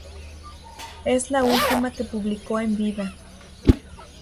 Es la última que publicó en vida.